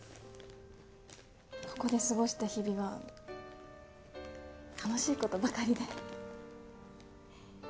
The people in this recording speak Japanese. ここで過ごした日々は楽しいことばかりです。